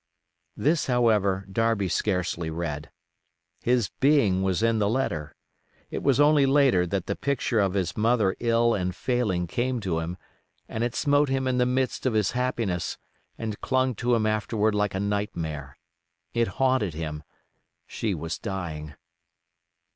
This, however, Darby scarcely read. His being was in the letter. It was only later that the picture of his mother ill and failing came to him, and it smote him in the midst of his happiness and clung to him afterward like a nightmare. It haunted him. She was dying.